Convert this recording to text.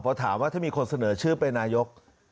พอถามว่าถ้ามีคนเสนอชื่อเป็นนายก